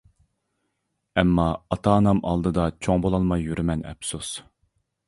ئەمما ئاتا-ئانام ئالدىدا، چوڭ بولالماي يۈرىمەن ئەپسۇس.